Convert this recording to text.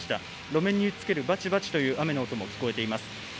路面に打ちつけるばちばちという雨の音も聞こえています。